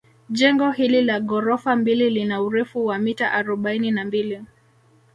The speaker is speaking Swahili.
Jengo hili la ghorofa mbili lina urefu wa mita arobaini na mbili